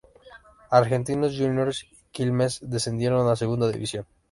Argentinos Juniors y Quilmes descendieron a Segunda División.